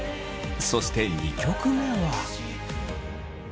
そして２曲目は。